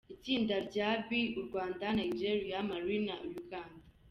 Itsinda rya B: U Rwanda, Nigeria, Mali na Uganda.